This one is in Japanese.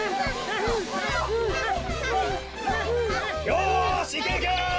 よしいけいけ！